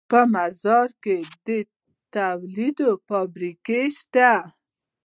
په مزار کې د تولید فابریکې شته